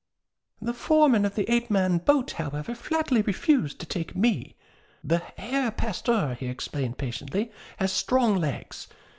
The foreman of the eight man boat, however, flatly refused to take me. 'The Herr Pastor,' he explained patiently, 'has strong legs.